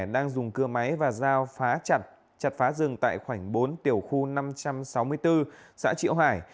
đang dùng cưa máy và dao phá chặt chặt phá rừng tại khoảnh bốn tiểu khu năm trăm sáu mươi bốn xã triệu hải